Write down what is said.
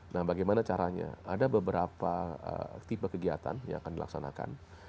nah bagaimana caranya ada beberapa tipe kegiatan yang akan dilaksanakan